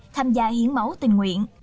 tham gia hiến máu tình nguyện